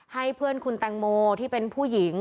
ให้เพื่อนคุณแตงโมที่เป็นผู้หญิง